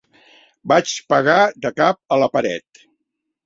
Vaig pegar de cap a la paret.